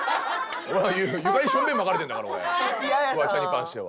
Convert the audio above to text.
床に小便まかれてるんだから俺フワちゃんに関しては。